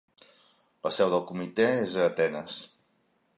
La seu del Comitè és a Atenes.